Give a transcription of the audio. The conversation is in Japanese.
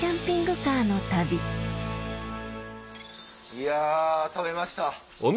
いや食べました！